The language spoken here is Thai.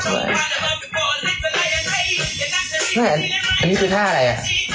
นั่นแหละอันนี้คือท่าอะไรอ่ะ